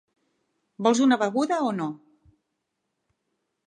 Vols una beguda o no?